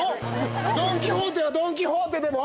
ドン・キホーテはドン・キホーテでも⁉